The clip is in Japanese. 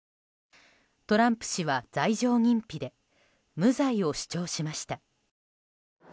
トランプ氏は罪状認否で無罪を主張しました。